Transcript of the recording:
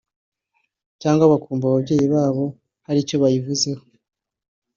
cyangwa bakumva ababyeyi babo hari icyo bayivuze ho